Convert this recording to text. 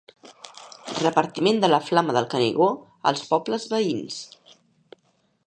Repartiment de la flama del Canigó als pobles veïns.